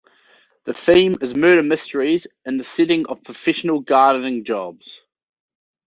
The theme is murder mysteries in the setting of professional gardening jobs.